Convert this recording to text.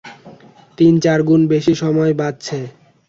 তিন-চারগুন বেশি সময় বাঁচছে।